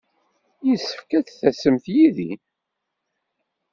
Yessefk ad d-tasemt yid-i.